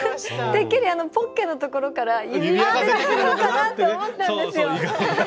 てっきりポッケのところから指輪が出てくるのかなって思ったんですよ。